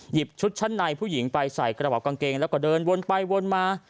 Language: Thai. ชุดชั้นในผู้หญิงไปใส่กระบอกกางเกงแล้วก็เดินวนไปวนมา